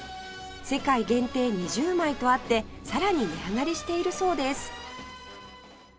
世界限定２０枚とあってさらに値上がりしているそうです